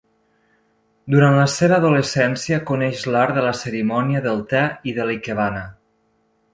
Durant la seva adolescència, coneix l'art de la cerimònia del te i de l'ikebana.